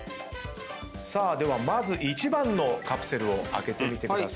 ではまず１番のカプセルを開けてみてください。